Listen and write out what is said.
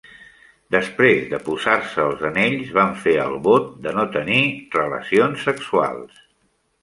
Després de posar-se els anells, van fer el vot de no tenir relacions sexuals.